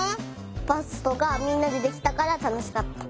パスとかみんなでできたからたのしかった。